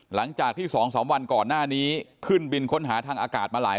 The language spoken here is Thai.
หลังจากที่๒๓วันก่อนหน้านี้ขึ้นบินค้นหาทางอากาศมาหลาย